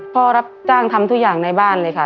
รับจ้างทำทุกอย่างในบ้านเลยค่ะ